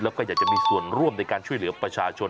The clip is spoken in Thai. แล้วก็อยากจะมีส่วนร่วมในการช่วยเหลือประชาชน